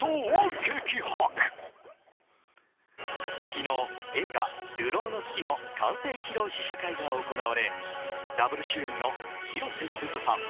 昨日、映画「流浪の月」の完成披露試写会が行われダブル主演の広瀬すずさん